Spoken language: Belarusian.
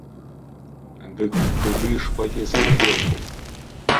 Дык куды ж павезлі елку?